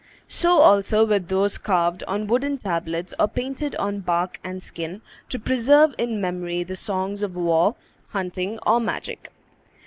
So also were those carved on wooden tablets, or painted on bark and skin, to preserve in memory the songs of war, hunting, or magic.